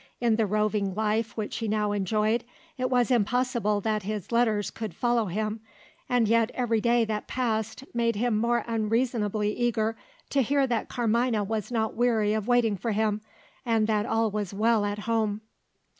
In the roving life which he now enjoyed, it was impossible that his letters could follow him and yet, every day that passed made him more unreasonably eager to hear that Carmina was not weary of waiting for him, and that all was well at home.